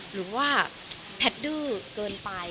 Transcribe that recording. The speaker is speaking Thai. หรือว่าแพทย์ดื้อเกินไป